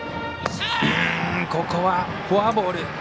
ここはフォアボール。